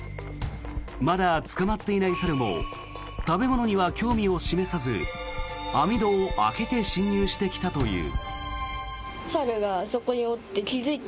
まだ捕まっていない猿も食べ物には興味を示さず網戸を開けて侵入してきたという。